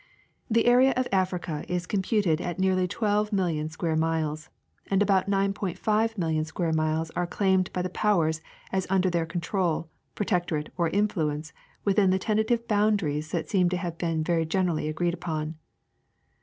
The area of Africa is computed at nearly 12,000,000 square miles ; and about 9,500,000 square miles are claimed by the powers as under their control, protectorate, or influence within the tentative boundaries that seem to have been very generally agreed upon.